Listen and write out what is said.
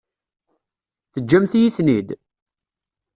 Teǧǧamt-iyi-ten-id?